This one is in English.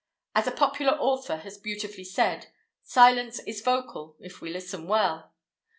As a popular author has beautifully said, "Silence is vocal, if we listen well."